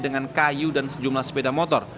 dengan kayu dan sejumlah sepeda motor